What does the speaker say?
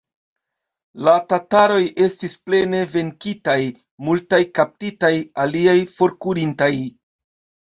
La tataroj estis plene venkitaj, multaj kaptitaj, aliaj forkurintaj.